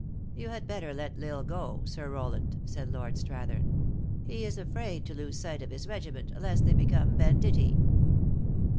"You had better let L Isle go, Sir Rowland," said Lord Strathern. " He is afraid to lose sight of his regiment, lest they become banditti."